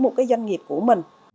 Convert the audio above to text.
với một cái doanh nghiệp của mình